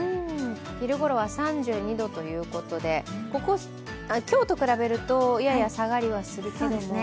昼ごろは３２度ということで今日と比べると下がりはするけれども。